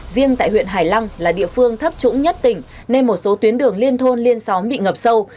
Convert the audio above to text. riêng tại huyện hải lăng là địa phương thấp trũng nhất tỉnh nên một số tuyến đường liên thôn liên xóm bị ngập sâu